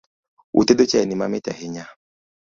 Utedo chaini mamit ahinya